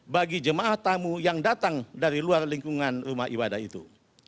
bagi jemaah tamu yang datang dari luar lingkungan rumah ibadah itu